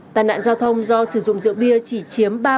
tai nạn giao thông do sử dụng rượu bia chỉ chiếm ba tám mươi bảy